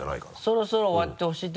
そろそろ終わってほしいって